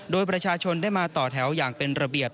โดยประชาชนได้มาต่อแถวอย่างเป็นระเบียบ